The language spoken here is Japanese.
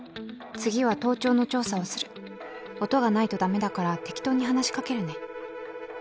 次は盗聴の調査をする」「音がないと駄目だから適当に話し掛けるね」